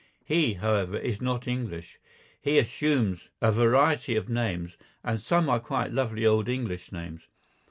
He, however, is not English. He assumes a variety of names, and some are quite lovely old English names.